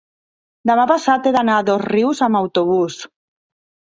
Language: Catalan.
demà passat he d'anar a Dosrius amb autobús.